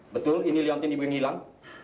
betul ini liantin ibu yang hilang